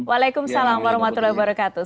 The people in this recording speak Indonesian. waalaikumsalam warahmatullahi wabarakatuh